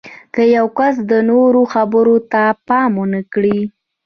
که یو کس د نورو خبرو ته پام ونه کړي